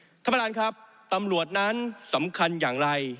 ท่านประธานครับตำรวจนั้นสำคัญอย่างไร